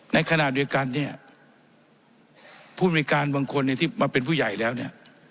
ในขณะโดยการเนี่ยพูดโดยการบางคนที่มาเป็นผู้ใหญ่แล้วเนี่ย